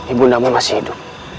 ibundamu masih hidup